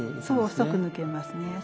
そう細く抜けますね。